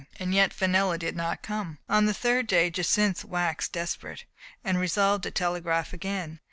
And yet Fenella did not come. On the third day Jacynth waxed desperate, and resolved to telegraph again.